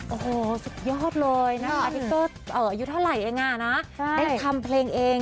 โอ้โหสุดยอดเลยน่ะอายุเท่าไหร่เองอ่ะนะใช่เป็นทำเพลงเอง